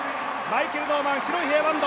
マイケル・ノーマン